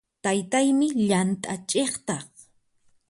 Taytaymi llant'a ch'iqtaq.